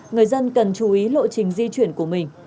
người dân cần chú ý lộ trình di chuyển của mình